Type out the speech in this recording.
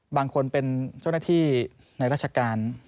บางคนเป็นเจ้าหน้าที่ในราชการ